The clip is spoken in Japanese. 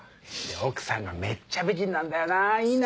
奥さんがめっちゃ美人なんだよないいな。